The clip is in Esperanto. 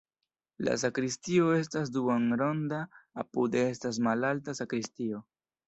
La sakristio estas duonronda, apude estas malalta sakristio.